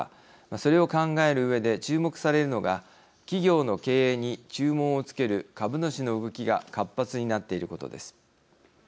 それを考えるうえで注目されるのが企業の経営に注文を付ける株主の動きが活発になっていることです。